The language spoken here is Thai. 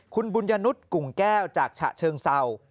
คุณบุญยนุษย์กุ่งแก้วจากฉะเชิงเศร้า